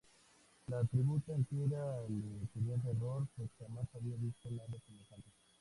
La tribu entera le tenía terror, pues jamás habían visto nada semejante.